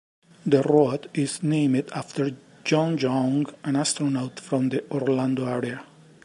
The road is named after John Young, an astronaut from the Orlando area.